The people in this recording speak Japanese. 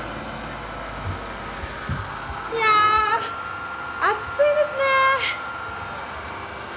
いや暑いですね。